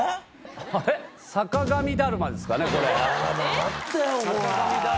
坂上だるまですかねこれ待ってよ